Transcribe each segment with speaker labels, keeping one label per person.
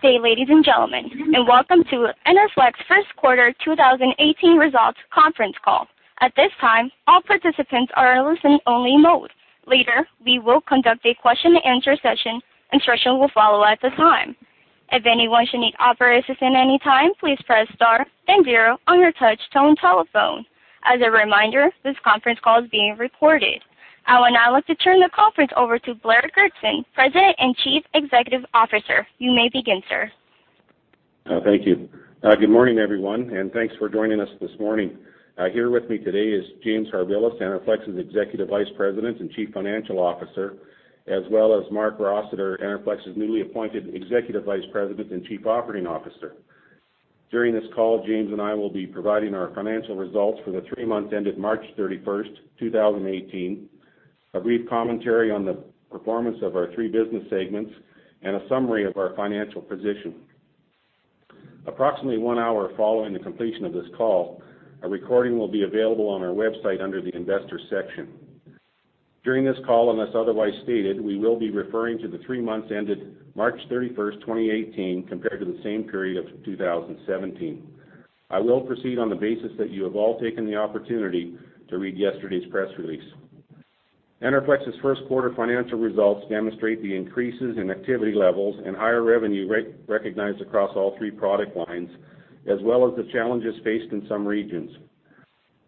Speaker 1: Good day, ladies and gentlemen, and welcome to Enerflex First Quarter 2018 Results Conference Call. At this time, all participants are in listen-only mode. Later, we will conduct a question-and-answer session. Instructions will follow at the time. If anyone should need operator assistance at any time, please press star and zero on your touch-tone telephone. As a reminder, this conference call is being recorded. I would now like to turn the conference over to Blair Goertzen, President and Chief Executive Officer. You may begin, sir.
Speaker 2: Thank you. Good morning, everyone, and thanks for joining us this morning. Here with me today is James Harbilas, Enerflex's Executive Vice President and Chief Financial Officer, as well as Marc Rossiter, Enerflex's newly appointed Executive Vice President and Chief Operating Officer. During this call, James and I will be providing our financial results for the three months ended March 31st, 2018, a brief commentary on the performance of our three business segments, and a summary of our financial position. Approximately one hour following the completion of this call, a recording will be available on our website under the Investors section. During this call, unless otherwise stated, we will be referring to the three months ended March 31st, 2018, compared to the same period of 2017. I will proceed on the basis that you have all taken the opportunity to read yesterday's press release. Enerflex's first quarter financial results demonstrate the increases in activity levels and higher revenue recognized across all three product lines, as well as the challenges faced in some regions.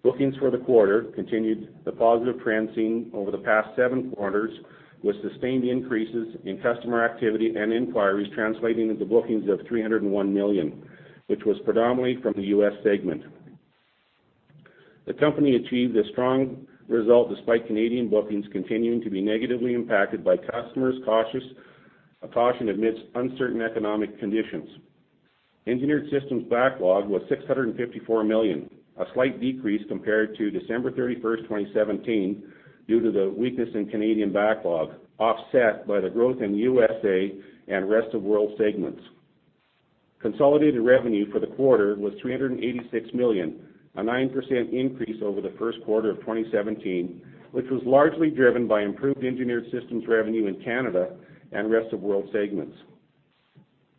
Speaker 2: Bookings for the quarter continued the positive trend seen over the past seven quarters, with sustained increases in customer activity and inquiries translating into bookings of 301 million, which was predominantly from the U.S. segment. The company achieved a strong result despite Canadian bookings continuing to be negatively impacted by customers' caution amidst uncertain economic conditions. Engineered Systems' backlog was 654 million, a slight decrease compared to December 31st, 2017, due to the weakness in Canadian backlog, offset by the growth in U.S.A. and Rest of Worldsegments. Consolidated revenue for the quarter was 386 million, a 9% increase over the first quarter of 2017, which was largely driven by improved Engineered Systems revenue in Canada and Rest of World segments.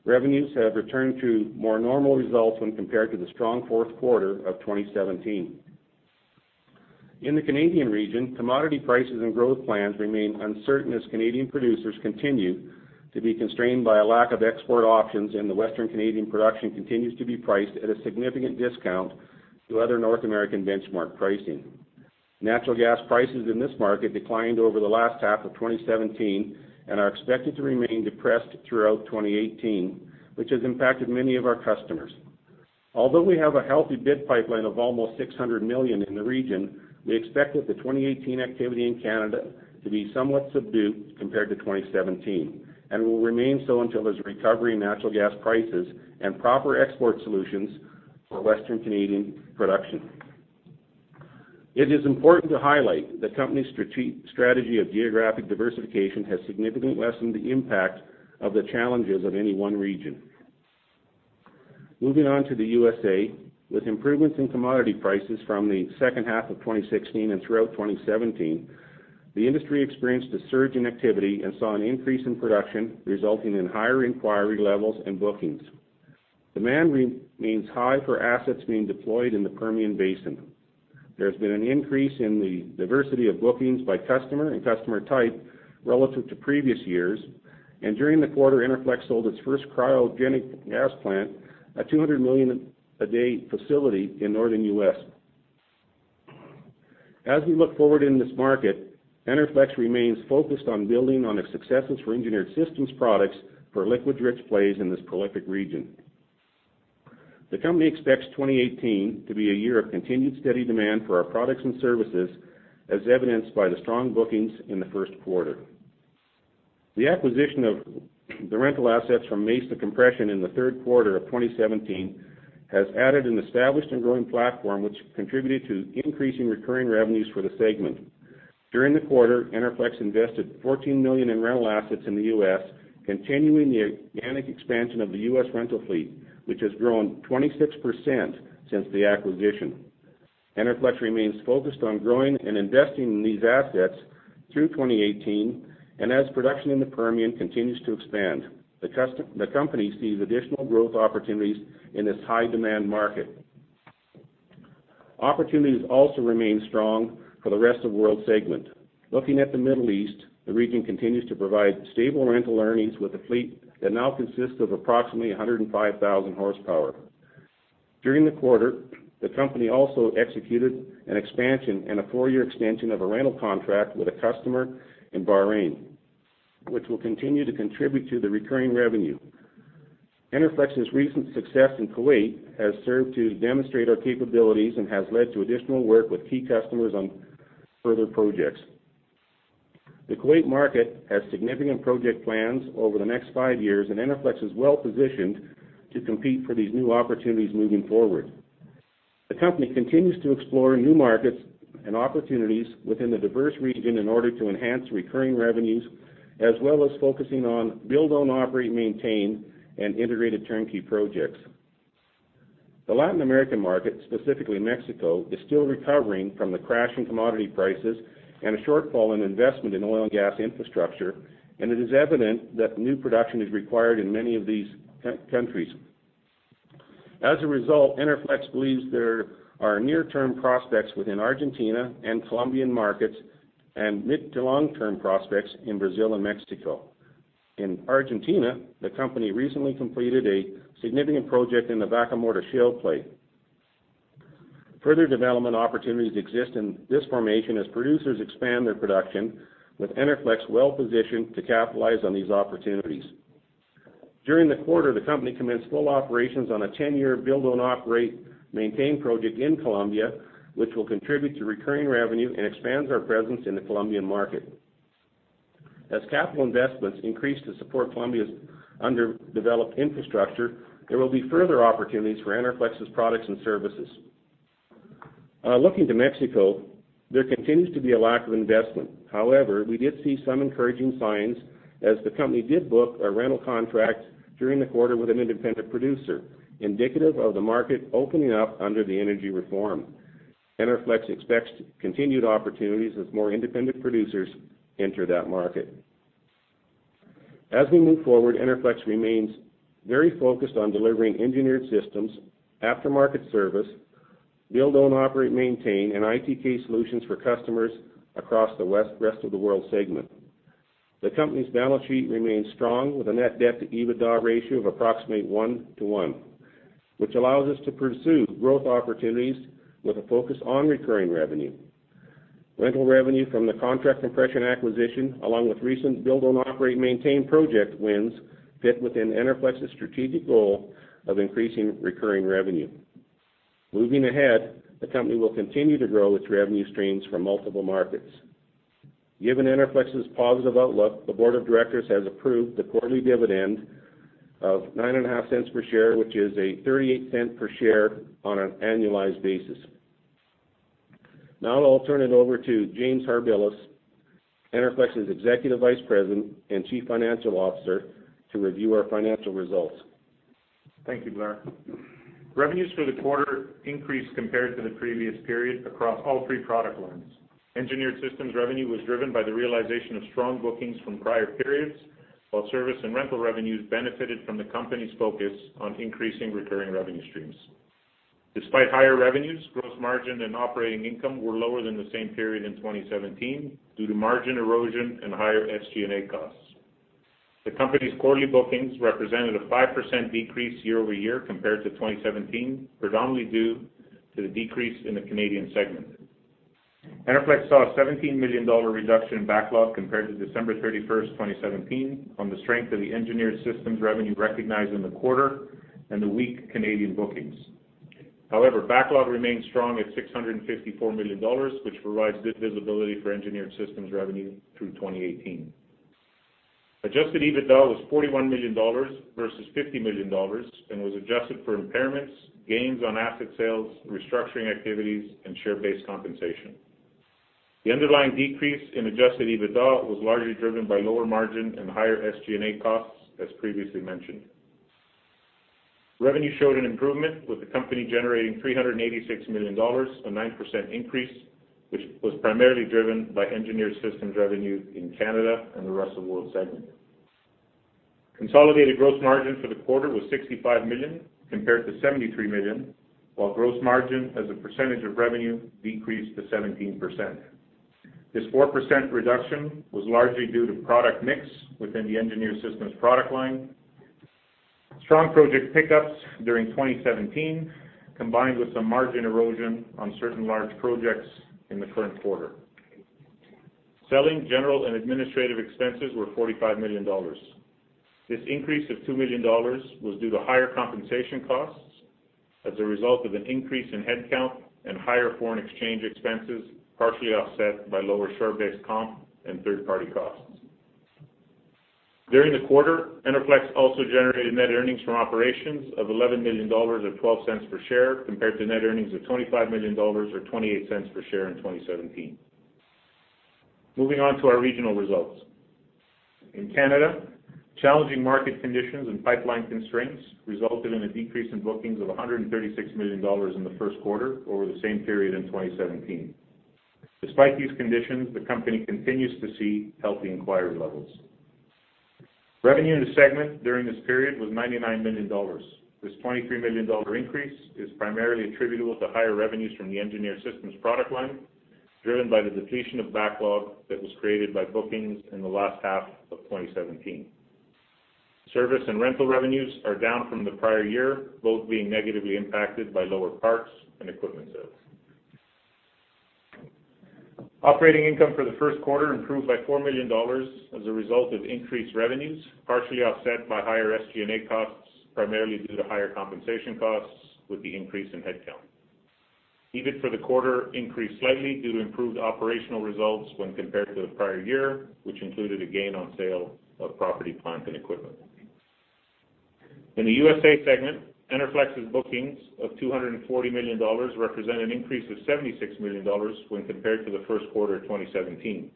Speaker 2: Revenues have returned to more normal results when compared to the strong fourth quarter of 2017. In the Canadian region, commodity prices and growth plans remain uncertain as Canadian producers continue to be constrained by a lack of export options, and the Western Canadian production continues to be priced at a significant discount to other North American benchmark pricing. Natural gas prices in this market declined over the last half of 2017 and are expected to remain depressed throughout 2018, which has impacted many of our customers. Although we have a healthy bid pipeline of almost 600 million in the region, we expect that the 2018 activity in Canada to be somewhat subdued compared to 2017, and will remain so until there's a recovery in natural gas prices and proper export solutions for Western Canadian production. It is important to highlight the company's strategy of geographic diversification has significantly lessened the impact of the challenges of any one region. Moving on to the USA. With improvements in commodity prices from the second half of 2016 and throughout 2017, the industry experienced a surge in activity and saw an increase in production, resulting in higher inquiry levels and bookings. Demand remains high for assets being deployed in the Permian Basin. There has been an increase in the diversity of bookings by customer and customer type relative to previous years, and during the quarter, Enerflex sold its first cryogenic gas plant, a 200 million a day facility in northern U.S. As we look forward in this market, Enerflex remains focused on building on the successes for Engineered Systems products for liquids-rich plays in this prolific region. The company expects 2018 to be a year of continued steady demand for our products and services, as evidenced by the strong bookings in the first quarter. The acquisition of the rental assets from Mesa Compression in the third quarter of 2017 has added an established and growing platform, which contributed to increasing recurring revenues for the segment. During the quarter, Enerflex invested 14 million in rental assets in the U.S., continuing the organic expansion of the U.S. rental fleet, which has grown 26% since the acquisition. Enerflex remains focused on growing and investing in these assets through 2018 and as production in the Permian continues to expand. The company sees additional growth opportunities in this high-demand market. Opportunities also remain strong for the rest-of-world segment. Looking at the Middle East, the region continues to provide stable rental earnings with a fleet that now consists of approximately 105,000 horsepower. During the quarter, the company also executed an expansion and a four-year extension of a rental contract with a customer in Bahrain, which will continue to contribute to the recurring revenue. Enerflex's recent success in Kuwait has served to demonstrate our capabilities and has led to additional work with key customers on further projects. The Kuwait market has significant project plans over the next five years. Enerflex is well-positioned to compete for these new opportunities moving forward. The company continues to explore new markets and opportunities within the diverse region in order to enhance recurring revenues, as well as focusing on Build-Own-Operate-Maintain and integrated turnkey projects. The Latin American market, specifically Mexico, is still recovering from the crash in commodity prices and a shortfall in investment in oil and gas infrastructure. It is evident that new production is required in many of these countries. As a result, Enerflex believes there are near-term prospects within Argentina and Colombian markets and mid- to long-term prospects in Brazil and Mexico. In Argentina, the company recently completed a significant project in the Vaca Muerta shale play. Further development opportunities exist in this formation as producers expand their production, with Enerflex well-positioned to capitalize on these opportunities. During the quarter, the company commenced full operations on a 10-year Build-Own-Operate-Maintain project in Colombia, which will contribute to recurring revenue and expands our presence in the Colombian market. As capital investments increase to support Colombia's underdeveloped infrastructure, there will be further opportunities for Enerflex's products and services. Looking to Mexico, there continues to be a lack of investment. We did see some encouraging signs as the company did book a rental contract during the quarter with an independent producer, indicative of the market opening up under the energy reform. Enerflex expects continued opportunities as more independent producers enter that market. As we move forward, Enerflex remains very focused on delivering Engineered Systems, After-Market Services, Build-Own-Operate-Maintain, and ITK solutions for customers across the rest-of-the-world segment. The company's balance sheet remains strong with a net debt to EBITDA ratio of approximately 1 to 1, which allows us to pursue growth opportunities with a focus on recurring revenue. Rental revenue from the Mesa Compression acquisition, along with recent Build-Own-Operate-Maintain project wins, fit within Enerflex's strategic goal of increasing recurring revenue. The company will continue to grow its revenue streams from multiple markets.
Speaker 3: Given Enerflex's positive outlook, the board of directors has approved the quarterly dividend of 9.5 cents per share, which is a 38 cent per share on an annualized basis. Now I'll turn it over to James Harbilas, Enerflex's Executive Vice President and Chief Financial Officer, to review our financial results. Thank you, Blair. Revenues for the quarter increased compared to the previous period across all three product lines. Engineered Systems revenue was driven by the realization of strong bookings from prior periods, while service and rental revenues benefited from the company's focus on increasing recurring revenue streams. Despite higher revenues, gross margin and operating income were lower than the same period in 2017 due to margin erosion and higher SG&A costs. The company's quarterly bookings represented a 5% decrease year-over-year compared to 2017, predominantly due to the decrease in the Canadian segment. Enerflex saw a 17 million dollar reduction in backlog compared to December 31st, 2017, on the strength of the Engineered Systems revenue recognized in the quarter and the weak Canadian bookings. Backlog remains strong at 654 million dollars, which provides good visibility for Engineered Systems revenue through 2018. Adjusted EBITDA was 41 million dollars versus 50 million dollars and was adjusted for impairments, gains on asset sales, restructuring activities, and share-based compensation. The underlying decrease in adjusted EBITDA was largely driven by lower margin and higher SG&A costs, as previously mentioned. Revenue showed an improvement, with the company generating 386 million dollars, a 9% increase, which was primarily driven by Engineered Systems revenue in Canada and the rest-of-world segment. Consolidated gross margin for the quarter was 65 million compared to 73 million, while gross margin as a percentage of revenue decreased to 17%. This 4% reduction was largely due to product mix within the Engineered Systems product line. Strong project pickups during 2017, combined with some margin erosion on certain large projects in the current quarter. Selling, General and Administrative expenses were 45 million dollars. This increase of 2 million dollars was due to higher compensation costs as a result of an increase in headcount and higher foreign exchange expenses, partially offset by lower share-based comp and third-party costs. During the quarter, Enerflex also generated net earnings from operations of 11 million dollars, or 0.12 per share, compared to net earnings of 25 million dollars, or 0.28 per share in 2017. Moving on to our regional results. In Canada, challenging market conditions and pipeline constraints resulted in a decrease in bookings of 136 million dollars in the first quarter over the same period in 2017. Despite these conditions, the company continues to see healthy inquiry levels. Revenue in the segment during this period was 99 million dollars. This 23 million dollar increase is primarily attributable to higher revenues from the Engineered Systems product line, driven by the depletion of backlog that was created by bookings in the last half of 2017. Service and rental revenues are down from the prior year, both being negatively impacted by lower parts and equipment sales. Operating income for the first quarter improved by 4 million dollars as a result of increased revenues, partially offset by higher SG&A costs, primarily due to higher compensation costs with the increase in headcount. EBIT for the quarter increased slightly due to improved operational results when compared to the prior year, which included a gain on sale of property, plant, and equipment. In the U.S.A. segment, Enerflex's bookings of 240 million dollars represent an increase of 76 million dollars when compared to the first quarter of 2017.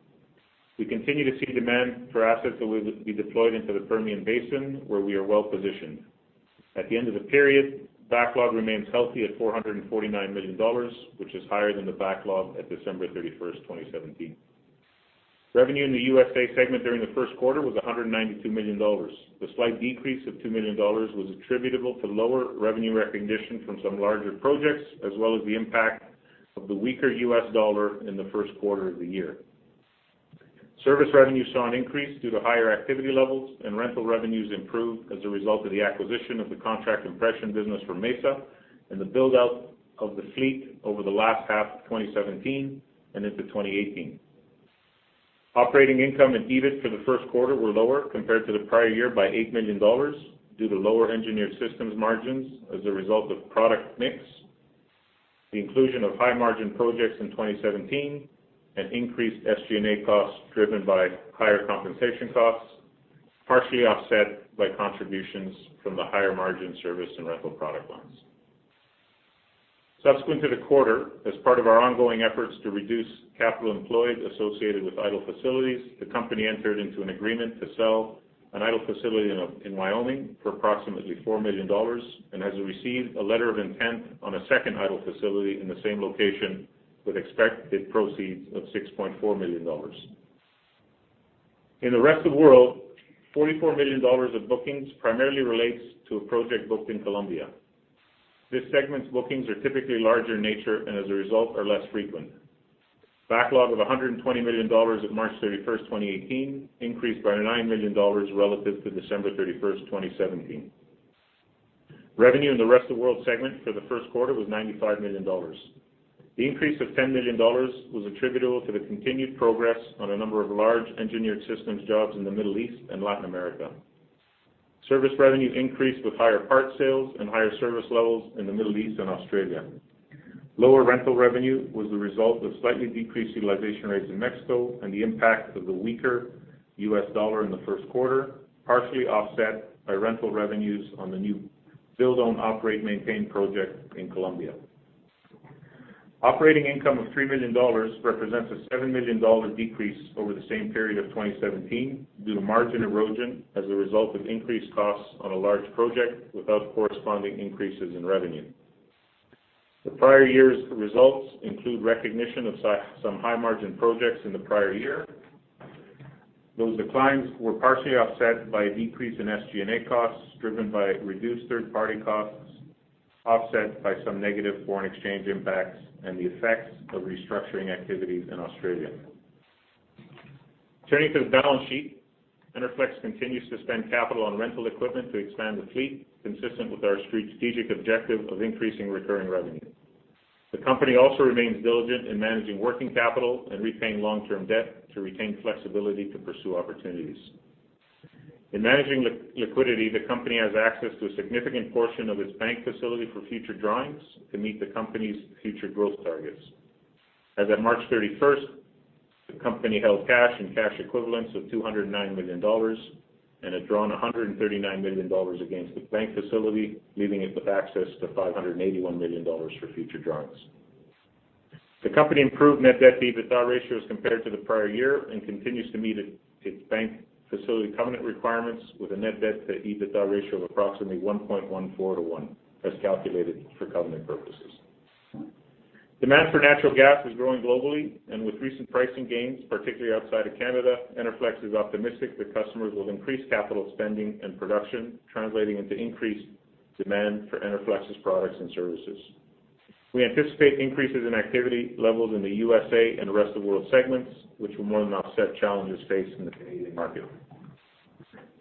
Speaker 3: We continue to see demand for assets that will be deployed into the Permian Basin, where we are well-positioned. At the end of the period, backlog remains healthy at 449 million dollars, which is higher than the backlog at December 31st, 2017. Revenue in the U.S.A. segment during the first quarter was 192 million dollars. The slight decrease of 2 million dollars was attributable to lower revenue recognition from some larger projects, as well as the impact of the weaker U.S. dollar in the first quarter of the year. Service revenue saw an increase due to higher activity levels, and rental revenues improved as a result of the acquisition of the contract compression business from Mesa and the build-out of the fleet over the last half of 2017 and into 2018. Operating income and EBIT for the first quarter were lower compared to the prior year by 8 million dollars due to lower Engineered Systems margins as a result of product mix, the inclusion of high-margin projects in 2017, and increased SG&A costs driven by higher compensation costs, partially offset by contributions from the higher margin service and rental product lines. Subsequent to the quarter, as part of our ongoing efforts to reduce capital employed associated with idle facilities, the company entered into an agreement to sell an idle facility in Wyoming for approximately 4 million dollars and has received a letter of intent on a second idle facility in the same location, with expected proceeds of 6.4 million dollars. In the rest of world, 44 million dollars of bookings primarily relates to a project booked in Colombia. This segment's bookings are typically larger in nature and, as a result, are less frequent. Backlog of 120 million dollars at March 31st, 2018, increased by 9 million dollars relative to December 31st, 2017. Revenue in the Rest of World segment for the first quarter was 95 million dollars. The increase of 10 million dollars was attributable to the continued progress on a number of large Engineered Systems jobs in the Middle East and Latin America. Service revenue increased with higher part sales and higher service levels in the Middle East and Australia. Lower rental revenue was the result of slightly decreased utilization rates in Mexico and the impact of the weaker U.S. dollar in the first quarter, partially offset by rental revenues on the new Build-Own-Operate-Maintain project in Colombia. Operating income of 3 million dollars represents a 7 million dollar decrease over the same period of 2017 due to margin erosion as a result of increased costs on a large project without corresponding increases in revenue. The prior year's results include recognition of some high-margin projects in the prior year. Those declines were partially offset by a decrease in SG&A costs, driven by reduced third-party costs, offset by some negative foreign exchange impacts and the effects of restructuring activities in Australia. Turning to the balance sheet, Enerflex continues to spend capital on rental equipment to expand the fleet, consistent with our strategic objective of increasing recurring revenue. The company also remains diligent in managing working capital and repaying long-term debt to retain flexibility to pursue opportunities. In managing liquidity, the company has access to a significant portion of its bank facility for future drawings to meet the company's future growth targets. As at March 31st, the company held cash and cash equivalents of 209 million dollars and had drawn 139 million dollars against the bank facility, leaving it with access to 581 million dollars for future drawings. The company improved net debt-to-EBITDA ratios compared to the prior year and continues to meet its bank facility covenant requirements with a net debt to EBITDA ratio of approximately 1.14 to one as calculated for covenant purposes. Demand for natural gas is growing globally, with recent pricing gains, particularly outside of Canada, Enerflex is optimistic that customers will increase capital spending and production, translating into increased demand for Enerflex's products and services. We anticipate increases in activity levels in the U.S.A. and the Rest of World segments, which will more than offset challenges faced in the Canadian market.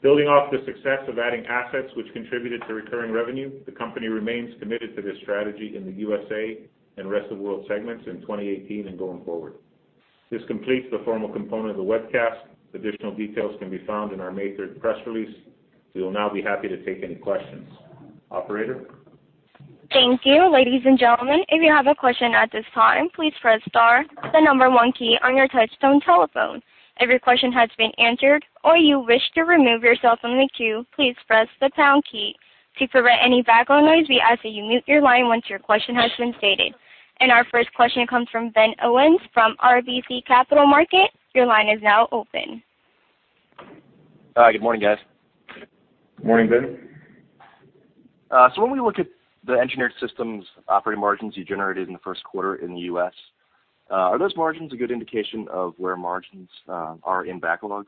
Speaker 3: Building off the success of adding assets which contributed to recurring revenue, the company remains committed to this strategy in the U.S.A. and Rest of World segments in 2018 and going forward. This completes the formal component of the webcast. Additional details can be found in our May 3rd press release. We will now be happy to take any questions. Operator?
Speaker 1: Thank you. Ladies and gentlemen, if you have a question at this time, please press star, the number one key on your touchtone telephone. If your question has been answered or you wish to remove yourself from the queue, please press the pound key. To prevent any background noise, we ask that you mute your line once your question has been stated. Our first question comes from Ben Power from RBC Capital Markets. Your line is now open.
Speaker 4: Hi. Good morning, guys.
Speaker 3: Morning, Ben.
Speaker 4: When we look at the Engineered Systems operating margins you generated in the first quarter in the U.S., are those margins a good indication of where margins are in backlog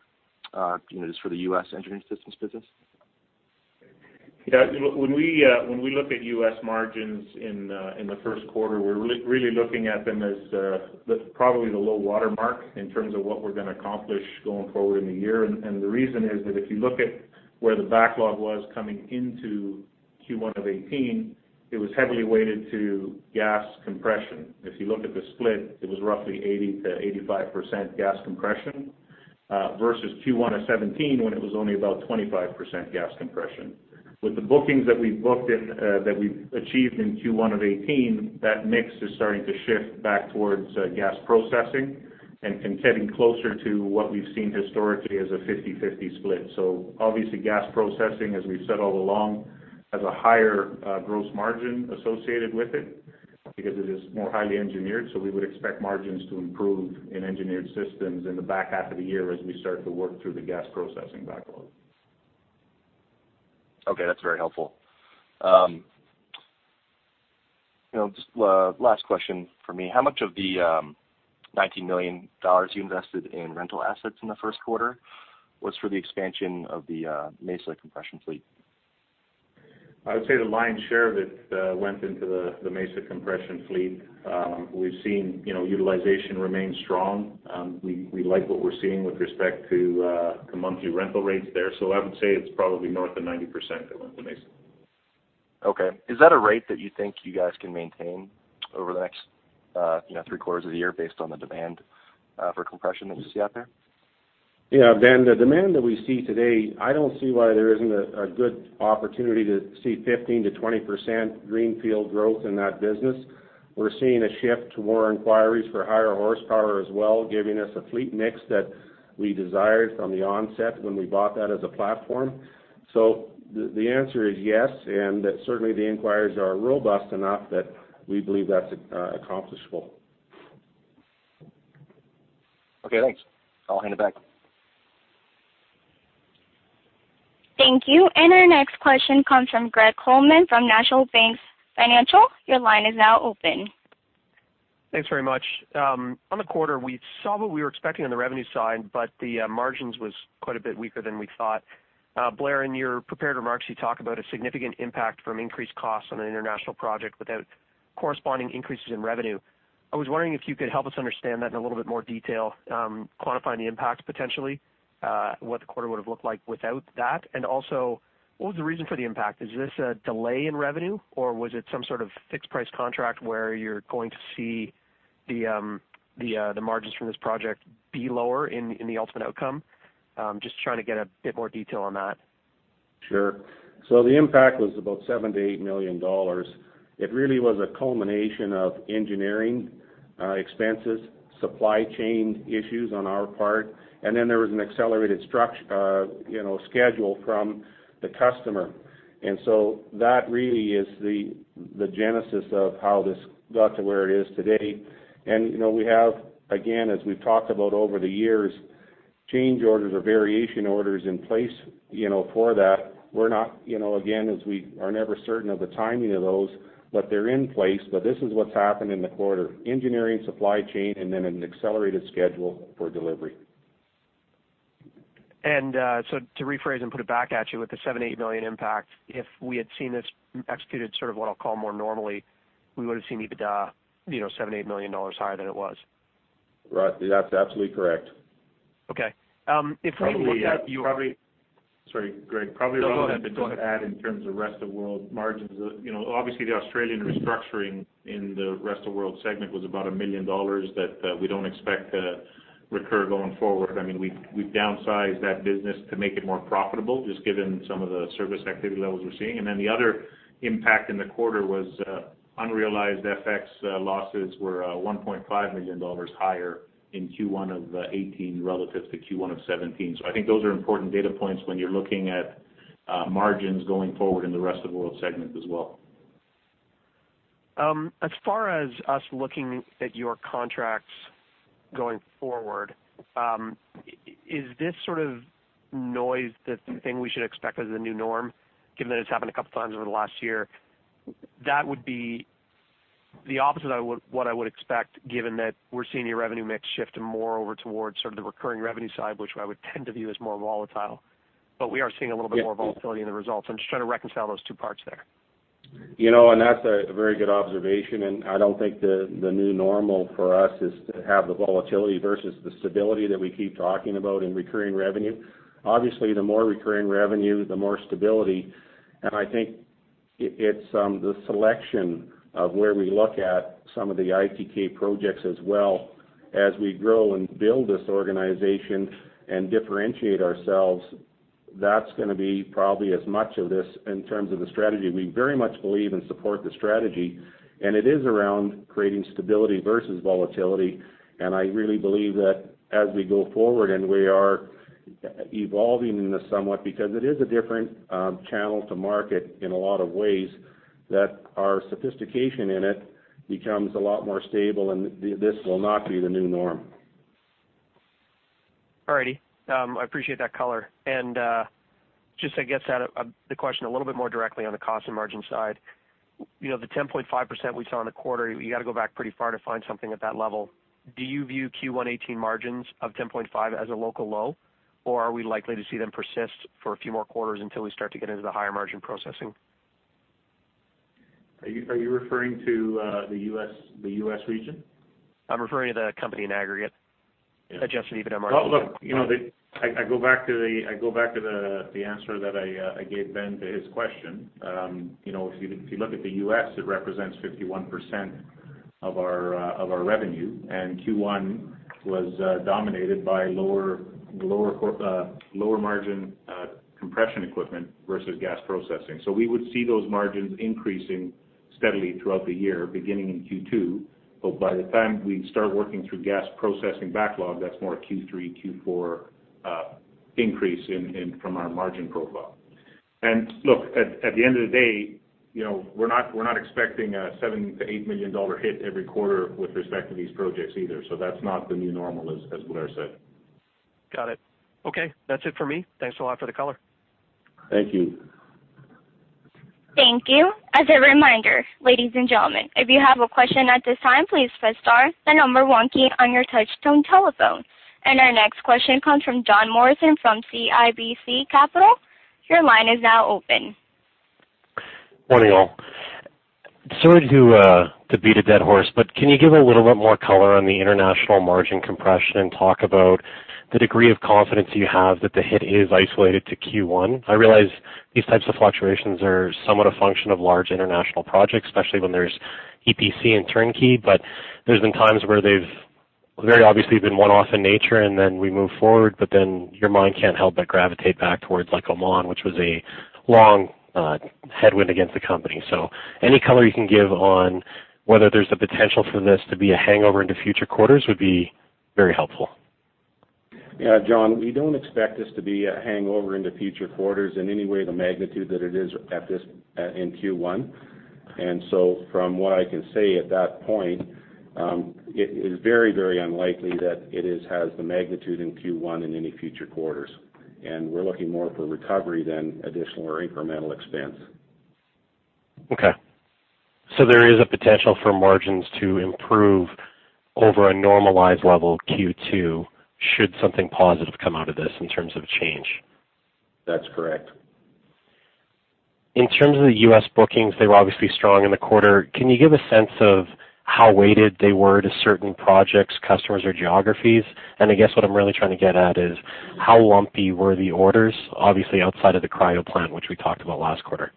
Speaker 4: for the U.S. Engineered Systems business?
Speaker 3: When we look at U.S. margins in the first quarter, we're really looking at them as probably the low water mark in terms of what we're going to accomplish going forward in the year and the reason is that if you look at where the backlog was coming into Q1 2018, it was heavily weighted to gas compression. If you look at the split, it was roughly 80%-85% gas compression versus Q1 2017 when it was only about 25% gas compression. With the bookings that we've achieved in Q1 2018, that mix is starting to shift back towards gas processing and getting closer to what we've seen historically as a 50/50 split. Obviously, gas processing, as we've said all along, has a higher gross margin associated with it because it is more highly engineered, we would expect margins to improve in Engineered Systems in the back half of the year as we start to work through the gas processing backlog.
Speaker 4: Okay. That's very helpful. Just last question from me. How much of the 19 million dollars you invested in rental assets in the first quarter was for the expansion of the Mesa Compression fleet?
Speaker 3: I would say the lion's share of it went into the Mesa Compression fleet. We've seen utilization remain strong. We like what we're seeing with respect to the monthly rental rates there. I would say it's probably north of 90% that went to Mesa.
Speaker 4: Okay. Is that a rate that you think you guys can maintain over the next three quarters of the year based on the demand for compression that you see out there?
Speaker 3: Yeah, Ben, the demand that we see today, I don't see why there isn't a good opportunity to see 15%-20% greenfield growth in that business. We're seeing a shift to more inquiries for higher horsepower as well, giving us a fleet mix that we desired from the onset when we bought that as a platform. The answer is yes, and certainly, the inquiries are robust enough that we believe that's accomplishable.
Speaker 4: Okay, thanks. I'll hand it back.
Speaker 1: Thank you. Our next question comes from Greg Colman from National Bank Financial. Your line is now open.
Speaker 5: Thanks very much. On the quarter, we saw what we were expecting on the revenue side, but the margins were quite a bit weaker than we thought. Blair, in your prepared remarks, you talk about a significant impact from increased costs on an international project without corresponding increases in revenue. I was wondering if you could help us understand that in a little bit more detail, quantifying the impact potentially, what the quarter would've looked like without that. What was the reason for the impact? Is this a delay in revenue, or was it some sort of fixed price contract where you're going to see the margins from this project be lower in the ultimate outcome? Just trying to get a bit more detail on that.
Speaker 3: Sure. The impact was about 7 million-8 million dollars. It really was a culmination of engineering expenses, supply chain issues on our part, and then there was an accelerated schedule from the customer. That really is the genesis of how this got to where it is today. We have, again, as we've talked about over the years, change orders or variation orders in place for that. We're not, again, as we are never certain of the timing of those, but they're in place. This is what's happened in the quarter, engineering, supply chain, and then an accelerated schedule for delivery.
Speaker 5: To rephrase and put it back at you with the 7 million-8 million impact, if we had seen this executed sort of what I'll call more normally, we would've seen EBITDA 7 million-8 million dollars higher than it was.
Speaker 3: Right. That's absolutely correct.
Speaker 5: Okay. If we look at
Speaker 3: Sorry, Greg. Probably relevant
Speaker 5: No, go ahead
Speaker 3: to add in terms of rest of world margins. Obviously, the Australian restructuring in the rest of world segment was about 1 million dollars that we don't expect to recur going forward. We've downsized that business to make it more profitable, just given some of the service activity levels we're seeing. The other impact in the quarter was unrealized FX losses were 1.5 million dollars higher in Q1 2018 relative to Q1 2017. I think those are important data points when you're looking at margins going forward in the rest of world segment as well.
Speaker 5: As far as us looking at your contracts going forward, is this sort of noise the thing we should expect as the new norm, given that it's happened a couple times over the last year? That would be the opposite of what I would expect, given that we're seeing your revenue mix shift more over towards sort of the recurring revenue side, which I would tend to view as more volatile, but we are seeing a little bit more volatility in the results. I'm just trying to reconcile those two parts there.
Speaker 3: That's a very good observation, and I don't think the new normal for us is to have the volatility versus the stability that we keep talking about in recurring revenue. Obviously, the more recurring revenue, the more stability. I think it's the selection of where we look at some of the ITK projects as well as we grow and build this organization and differentiate ourselves. That's going to be probably as much of this in terms of the strategy. We very much believe and support the strategy, and it is around creating stability versus volatility. I really believe that as we go forward, and we are evolving in this somewhat because it is a different channel to market in a lot of ways, that our sophistication in it becomes a lot more stable, and this will not be the new norm.
Speaker 5: All righty. I appreciate that color. Just, I guess, the question a little bit more directly on the cost and margin side. The 10.5% we saw in the quarter, you got to go back pretty far to find something at that level. Do you view Q1 2018 margins of 10.5% as a local low, or are we likely to see them persist for a few more quarters until we start to get into the higher margin processing?
Speaker 3: Are you referring to the U.S. region?
Speaker 5: I'm referring to the company in aggregate, adjusted EBITDA margin.
Speaker 3: Look, I go back to the answer that I gave Ben to his question. If you look at the U.S., it represents 51% of our revenue, and Q1 was dominated by lower margin compression equipment versus gas processing. We would see those margins increasing steadily throughout the year, beginning in Q2. By the time we start working through gas processing backlog, that's more a Q3, Q4 increase from our margin profile. Look, at the end of the day, we're not expecting a 7 million-8 million dollar hit every quarter with respect to these projects either. That's not the new normal, as Blair said.
Speaker 5: Got it. Okay, that's it for me. Thanks a lot for the color.
Speaker 3: Thank you.
Speaker 1: Thank you. As a reminder, ladies and gentlemen, if you have a question at this time, please press star, the number one key on your touchtone telephone. Our next question comes from John Morrison from CIBC Capital. Your line is now open.
Speaker 6: Morning, all. Sorry to beat a dead horse, but can you give a little bit more color on the international margin compression and talk about the degree of confidence you have that the hit is isolated to Q1? I realize these types of fluctuations are somewhat a function of large international projects, especially when there's EPC and turnkey, but there's been times where they've very obviously been one-off in nature, and then we move forward, but then your mind can't help but gravitate back towards like Oman, which was a long headwind against the company. Any color you can give on whether there's the potential for this to be a hangover into future quarters would be very helpful.
Speaker 3: Yeah, John, we don't expect this to be a hangover into future quarters in any way the magnitude that it is in Q1. From what I can say at that point, it is very unlikely that it has the magnitude in Q1 in any future quarters. We're looking more for recovery than additional or incremental expense.
Speaker 6: Okay. There is a potential for margins to improve over a normalized level Q2 should something positive come out of this in terms of change?
Speaker 3: That's correct.
Speaker 6: In terms of the U.S. bookings, they were obviously strong in the quarter. Can you give a sense of how weighted they were to certain projects, customers, or geographies? I guess what I'm really trying to get at is how lumpy were the orders, obviously outside of the cryo plant, which we talked about last quarter?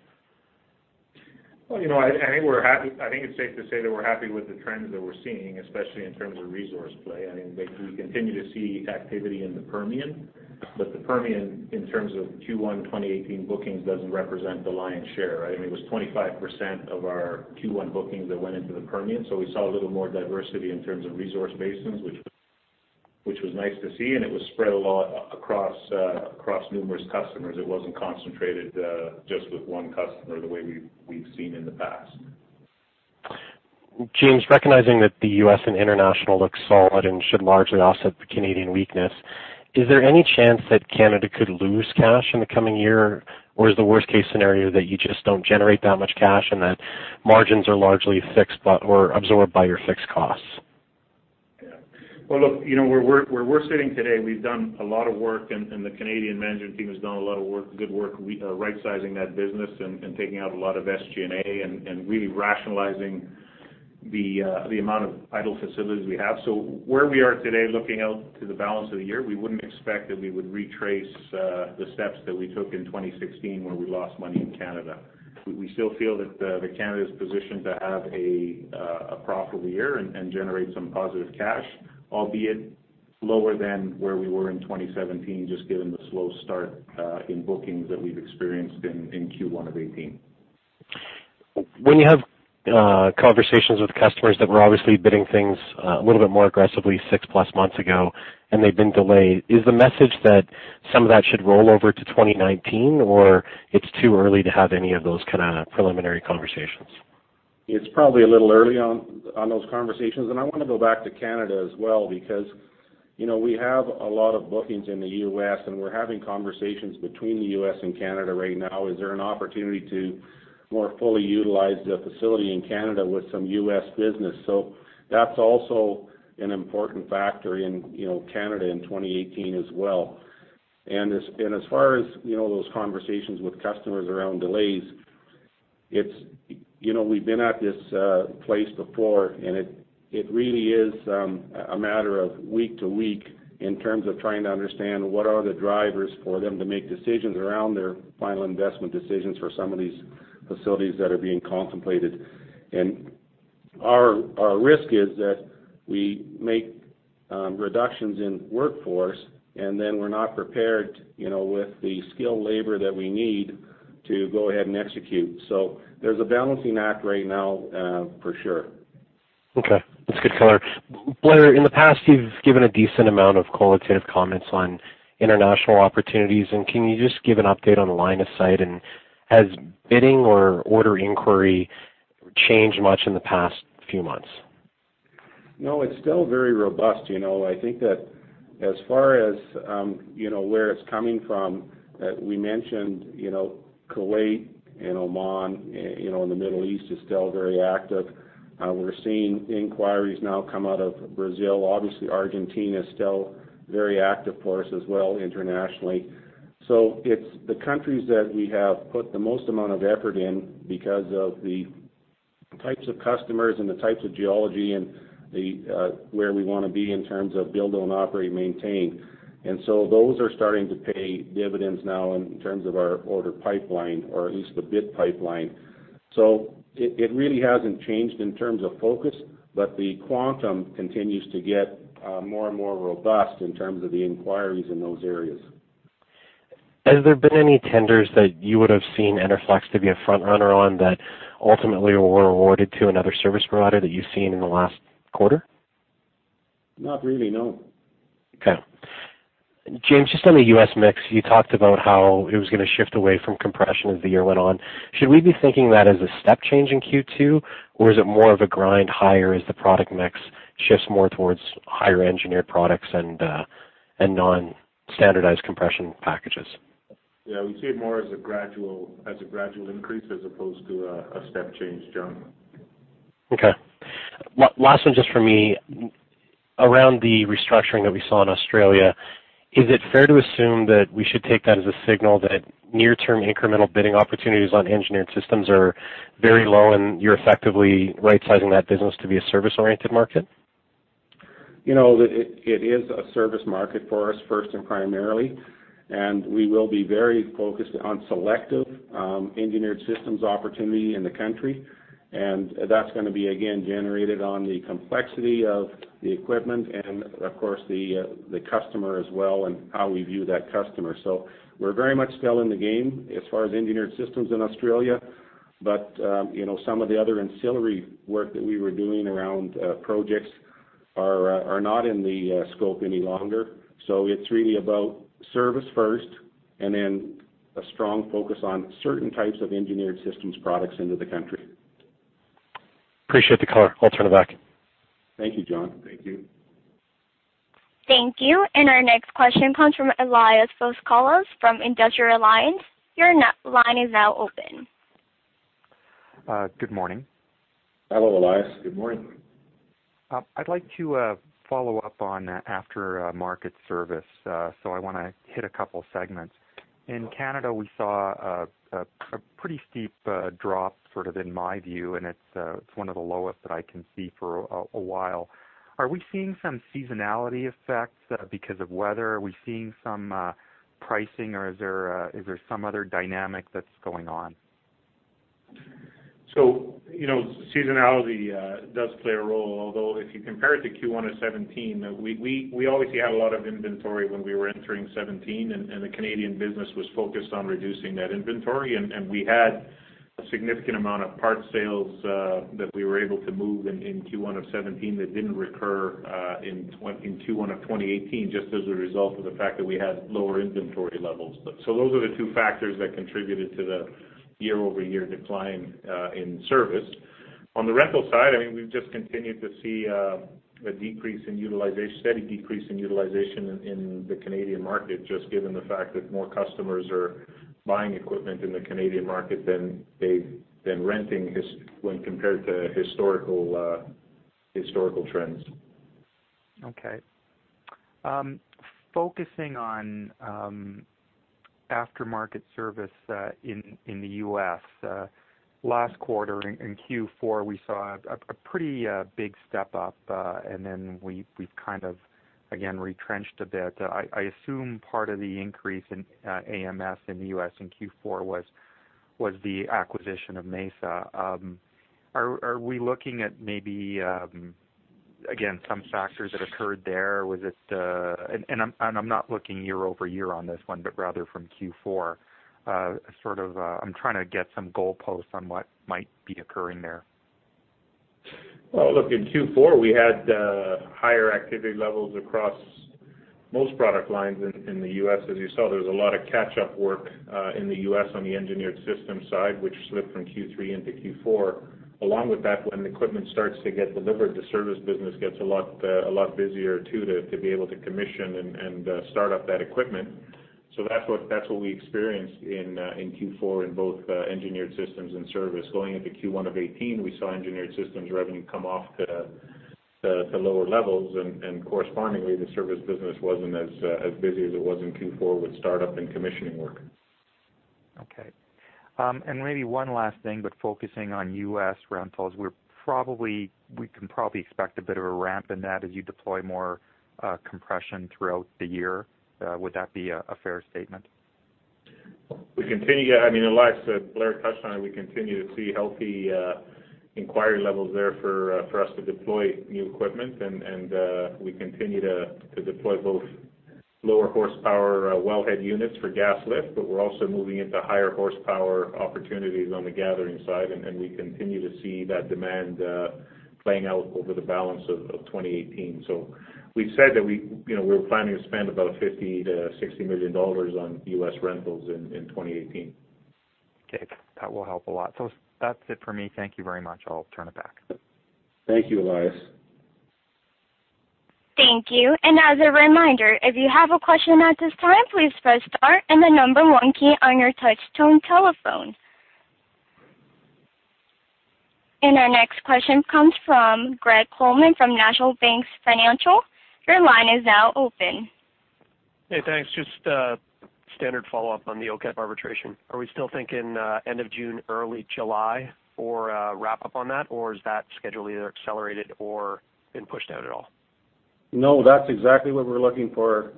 Speaker 3: Well, I think it's safe to say that we're happy with the trends that we're seeing, especially in terms of resource play. We continue to see activity in the Permian, but the Permian in terms of Q1 2018 bookings doesn't represent the lion's share, right? It was 25% of our Q1 bookings that went into the Permian. We saw a little more diversity in terms of resource basins, which was nice to see, and it was spread a lot across numerous customers. It wasn't concentrated just with one customer the way we've seen in the past.
Speaker 6: James, recognizing that the U.S. and international look solid and should largely offset the Canadian weakness, is there any chance that Canada could lose cash in the coming year? Is the worst case scenario that you just don't generate that much cash and that margins are largely fixed or absorbed by your fixed costs?
Speaker 3: Well, look, where we're sitting today, we've done a lot of work, and the Canadian management team has done a lot of work, good work, right-sizing that business and taking out a lot of SG&A and really rationalizing the amount of idle facilities we have. Where we are today, looking out to the balance of the year, we wouldn't expect that we would retrace the steps that we took in 2016, where we lost money in Canada. We still feel that Canada is positioned to have a profitable year and generate some positive cash, albeit lower than where we were in 2017, just given the slow start in bookings that we've experienced in Q1 of 2018.
Speaker 6: When you have conversations with customers that were obviously bidding things a little bit more aggressively six-plus months ago, and they've been delayed, is the message that some of that should roll over to 2019, or it's too early to have any of those kind of preliminary conversations?
Speaker 3: It's probably a little early on those conversations, and I want to go back to Canada as well because we have a lot of bookings in the U.S., and we're having conversations between the U.S. and Canada right now. Is there an opportunity to more fully utilize the facility in Canada with some U.S. business? That's also an important factor in Canada in 2018 as well. As far as those conversations with customers around delays, we've been at this place before, and it really is a matter of week to week in terms of trying to understand what are the drivers for them to make decisions around their final investment decisions for some of these facilities that are being contemplated. Our risk is that we make reductions in workforce, and then we're not prepared with the skilled labor that we need to go ahead and execute. There's a balancing act right now, for sure.
Speaker 6: Okay. That's good color. Blair, in the past, you've given a decent amount of qualitative comments on international opportunities. Can you just give an update on the line of sight, has bidding or order inquiry changed much in the past few months?
Speaker 2: No, it's still very robust. I think that as far as where it's coming from, we mentioned Kuwait and Oman, the Middle East is still very active. We're seeing inquiries now come out of Brazil. Obviously, Argentina is still very active for us as well internationally. It's the countries that we have put the most amount of effort in because of the types of customers and the types of geology and where we want to be in terms of Build-Own-Operate-Maintain. Those are starting to pay dividends now in terms of our order pipeline, or at least the bid pipeline. It really hasn't changed in terms of focus, but the quantum continues to get more and more robust in terms of the inquiries in those areas.
Speaker 6: Has there been any tenders that you would have seen Enerflex to be a front-runner on that ultimately were awarded to another service provider that you've seen in the last quarter?
Speaker 2: Not really, no.
Speaker 6: Okay. James, just on the U.S. mix, you talked about how it was going to shift away from compression as the year went on. Should we be thinking that as a step change in Q2, or is it more of a grind higher as the product mix shifts more towards higher engineered products and non-standardized compression packages?
Speaker 3: Yeah, we see it more as a gradual increase as opposed to a step change, John.
Speaker 6: Okay. Last one just from me. Around the restructuring that we saw in Australia, is it fair to assume that we should take that as a signal that near-term incremental bidding opportunities on Engineered Systems are very low, and you're effectively right-sizing that business to be a service-oriented market?
Speaker 3: It is a service market for us first and primarily, and we will be very focused on selective Engineered Systems opportunity in the country. That's going to be, again, generated on the complexity of the equipment and, of course, the customer as well and how we view that customer. We're very much still in the game as far as Engineered Systems in Australia, but some of the other ancillary work that we were doing around projects are not in the scope any longer. It's really about service first and then a strong focus on certain types of Engineered Systems products into the country.
Speaker 6: Appreciate the color. I'll turn it back.
Speaker 3: Thank you, John. Thank you.
Speaker 1: Thank you. Our next question comes from Elias Foscolos from Industrial Alliance. Your line is now open.
Speaker 7: Good morning.
Speaker 3: Hello, Elias. Good morning.
Speaker 7: I'd like to follow up on After-Market Services. I want to hit a couple segments. In Canada, we saw a pretty steep drop, sort of in my view, and it's one of the lowest that I can see for a while. Are we seeing some seasonality effects because of weather? Are we seeing some pricing, or is there some other dynamic that's going on?
Speaker 3: Seasonality does play a role. Although if you compare it to Q1 2017, we obviously had a lot of inventory when we were entering 2017, and the Canadian business was focused on reducing that inventory. We had a significant amount of parts sales that we were able to move in Q1 2017 that didn't recur in Q1 2018, just as a result of the fact that we had lower inventory levels. Those are the two factors that contributed to the year-over-year decline in service. On the rental side, we've just continued to see a steady decrease in utilization in the Canadian market, just given the fact that more customers are buying equipment in the Canadian market than renting when compared to historical trends.
Speaker 7: Okay. Focusing on After-Market Services in the U.S. Last quarter, in Q4, we saw a pretty big step up, and then we've kind of, again, retrenched a bit. I assume part of the increase in AMS in the U.S. in Q4 was the acquisition of Mesa. Are we looking at maybe, again, some factors that occurred there? I'm not looking year-over-year on this one, but rather from Q4. I'm trying to get some goalposts on what might be occurring there.
Speaker 3: Look, in Q4, we had higher activity levels across most product lines in the U.S. As you saw, there was a lot of catch-up work in the U.S. on the Engineered Systems side, which slipped from Q3 into Q4. Along with that, when equipment starts to get delivered, the service business gets a lot busier too, to be able to commission and start up that equipment. That's what we experienced in Q4 in both Engineered Systems and service. Going into Q1 2018, we saw Engineered Systems revenue come off to lower levels. Correspondingly, the service business wasn't as busy as it was in Q4 with startup and commissioning work.
Speaker 7: Okay. Maybe one last thing, focusing on U.S. rentals, we can probably expect a bit of a ramp in that as you deploy more compression throughout the year. Would that be a fair statement?
Speaker 3: I mean, Elias, Blair touched on it. We continue to see healthy inquiry levels there for us to deploy new equipment. We continue to deploy both lower horsepower wellhead units for gas lift. We're also moving into higher horsepower opportunities on the gathering side. We continue to see that demand playing out over the balance of 2018. We've said that we're planning to spend about 50 million-60 million dollars on U.S. rentals in 2018.
Speaker 7: Okay. That will help a lot. That's it for me. Thank you very much. I'll turn it back.
Speaker 3: Thank you, Elias.
Speaker 1: Thank you. As a reminder, if you have a question at this time, please press star and the number one key on your touch-tone telephone. Our next question comes from Greg Colman from National Bank Financial. Your line is now open.
Speaker 5: Hey, thanks. Just a standard follow-up on the OCAP arbitration. Are we still thinking end of June, early July for a wrap-up on that, or is that schedule either accelerated or been pushed out at all?
Speaker 2: No, that's exactly what we're looking for,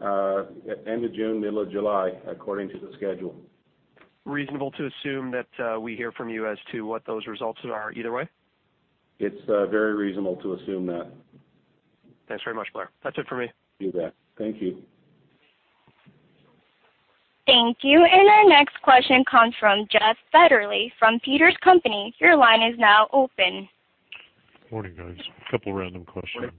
Speaker 2: end of June, middle of July, according to the schedule.
Speaker 5: Reasonable to assume that we hear from you as to what those results are either way?
Speaker 3: It's very reasonable to assume that.
Speaker 5: Thanks very much, Blair. That's it for me.
Speaker 3: See you, Greg. Thank you.
Speaker 1: Thank you. Our next question comes from Jeff Fetterly from Peters & Co. Limited. Your line is now open.
Speaker 8: Morning, guys. A couple random questions.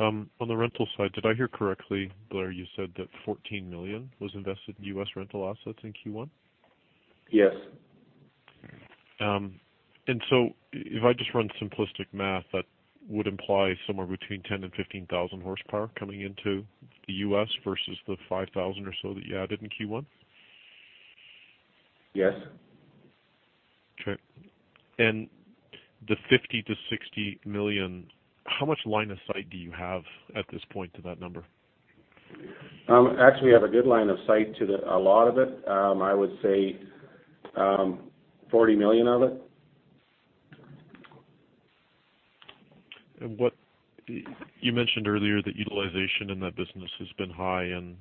Speaker 8: On the rental side, did I hear correctly, Blair, you said that 14 million was invested in U.S. rental assets in Q1?
Speaker 2: Yes.
Speaker 8: If I just run simplistic math, that would imply somewhere between 10,000 and 15,000 horsepower coming into the U.S. versus the 5,000 or so that you added in Q1?
Speaker 2: Yes.
Speaker 8: Okay. The 50 million to 60 million, how much line of sight do you have at this point to that number?
Speaker 2: Actually, we have a good line of sight to a lot of it. I would say 40 million of it.
Speaker 8: You mentioned earlier that utilization in that business has been high and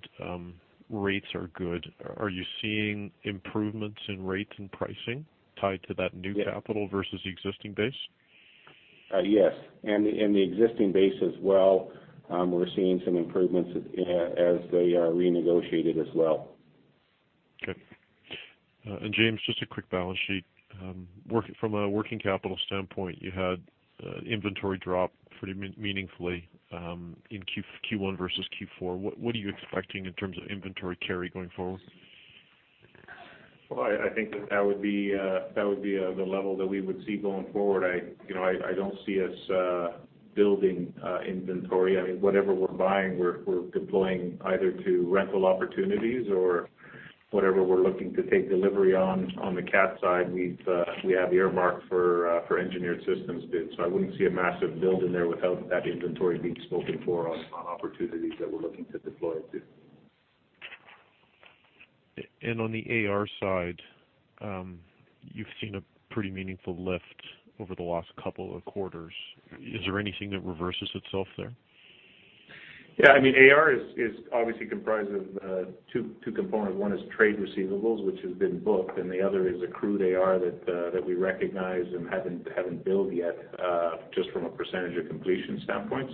Speaker 8: rates are good. Are you seeing improvements in rates and pricing tied to that new capital versus the existing base?
Speaker 2: Yes. The existing base as well, we're seeing some improvements as they are renegotiated as well.
Speaker 8: Okay. James, just a quick balance sheet. From a working capital standpoint, you had inventory drop pretty meaningfully in Q1 versus Q4. What are you expecting in terms of inventory carry going forward?
Speaker 3: Well, I think that would be the level that we would see going forward. I don't see us building inventory. Whatever we're buying, we're deploying either to rental opportunities or whatever we're looking to take delivery on the CAT side, we have earmarked for Engineered Systems build. I wouldn't see a massive build in there without that inventory being spoken for on opportunities that we're looking to deploy it to.
Speaker 8: On the AR side, you've seen a pretty meaningful lift over the last couple of quarters. Is there anything that reverses itself there?
Speaker 3: Yeah. AR is obviously comprised of two components. One is trade receivables, which has been booked, and the other is accrued AR that we recognize and haven't billed yet, just from a percentage of completion standpoint.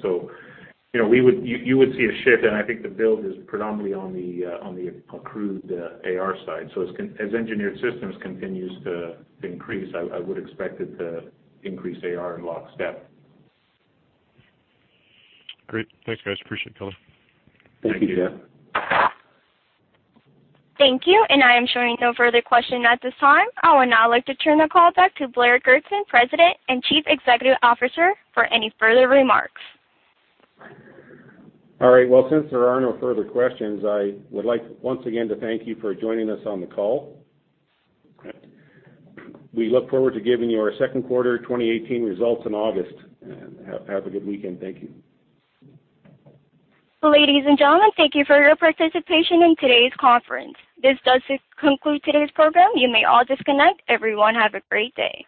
Speaker 3: You would see a shift, and I think the build is predominantly on the accrued AR side. As Engineered Systems continues to increase, I would expect it to increase AR in lockstep.
Speaker 8: Great. Thanks, guys. Appreciate the color.
Speaker 2: Thank you.
Speaker 3: Thank you.
Speaker 1: Thank you. I am showing no further question at this time. I would now like to turn the call back to Blair Goertzen, President and Chief Executive Officer, for any further remarks.
Speaker 2: All right. Well, since there are no further questions, I would like once again to thank you for joining us on the call. We look forward to giving you our second quarter 2018 results in August, and have a good weekend. Thank you.
Speaker 1: Ladies and gentlemen, thank you for your participation in today's conference. This does conclude today's program. You may all disconnect. Everyone, have a great day.